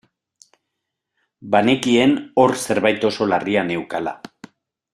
Banekien hor zerbait oso larria neukala.